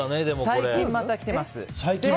最近、また来てます。